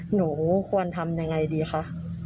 หนูควรทำยังไงดีคะ